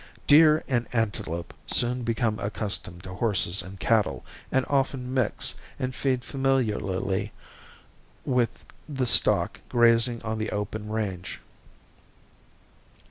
Deer and antelope soon become accustomed to horses and cattle and often mix and feed familiarly with the stock grazing on the open range.